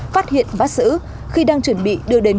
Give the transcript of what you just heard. phát hiện bắt giữ khi đang chuẩn bị đưa đến